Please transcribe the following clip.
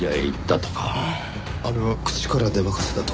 あれは口から出まかせだと。